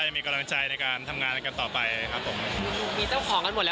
มีเจ้าของกันหมดละไหมครับสาวจนธรรมะ